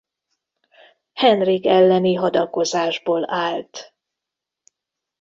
Henrik elleni hadakozásból állt.